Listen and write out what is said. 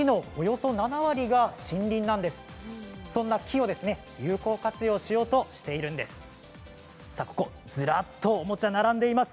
そんな木を有効活用しようとしているんです。